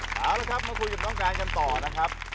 เอาละครับมาคุยกับน้องการกันต่อนะครับ